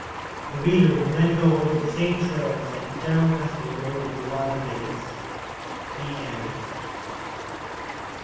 The reader will then go over the same trails that General Custer rode in the wilder days. The End.